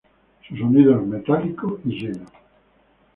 Su sonido es metálico y lleno.